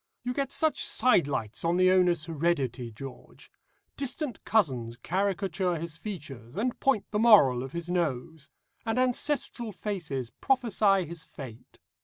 You get such sidelights on the owner's heredity, George; distant cousins caricature his features and point the moral of his nose, and ancestral faces prophesy his fate.